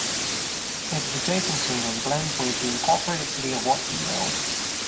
It is adjacent to and blends with the incorporated city of Watsonville.